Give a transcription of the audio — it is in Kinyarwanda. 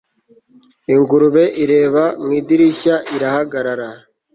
ingurube, ireba mu idirishya, irahagarara